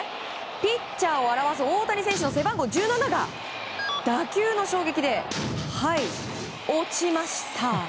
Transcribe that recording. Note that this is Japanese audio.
ピッチャーを表す大谷選手の背番号１７が打球の衝撃で落ちました。